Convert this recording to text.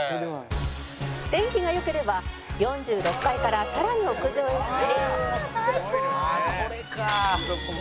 「天気が良ければ４６階からさらに屋上へ上がり」「最高！」